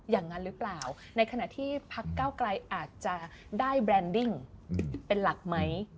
อย่างนั้นหรือเปล่าในขณะที่พักเก้าไกลอาจจะได้แบรนดิ้งเป็นหลักไหม